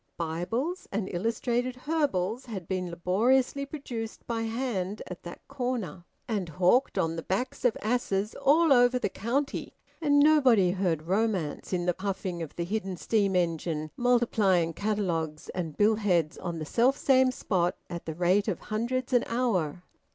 Bibles and illustrated herbals had been laboriously produced by hand at that corner, and hawked on the backs of asses all over the county; and nobody heard romance in the puffing of the hidden steam engine multiplying catalogues and billheads on the self same spot at the rate of hundreds an hour.